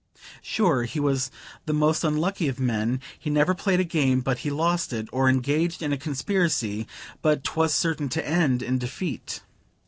Sure he was the most unlucky of men: he never played a game but he lost it; or engaged in a conspiracy but 'twas certain to end in defeat.